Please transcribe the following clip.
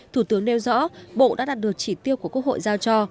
thủ tướng nêu rõ bộ đã đạt được chỉ tiêu của quốc hội giao cho